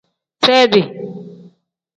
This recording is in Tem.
Sedi.